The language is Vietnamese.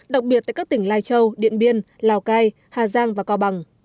đặc biệt tại các tỉnh lai châu điện biên lào cai hà giang và cao bằng